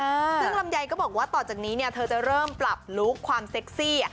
ซึ่งลำไยก็บอกว่าต่อจากนี้เนี่ยเธอจะเริ่มปรับลุคความเซ็กซี่